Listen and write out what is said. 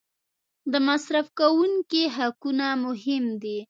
د مصرف کوونکي حقونه مهم دي.